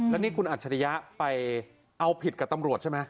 แล้วนี่คุณอัจฉริยะไปเอาผิดกับตำรวจใช่ไหม